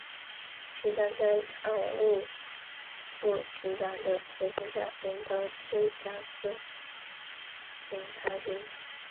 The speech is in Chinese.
局长在常务副局长的协助下领导芝加哥警察局。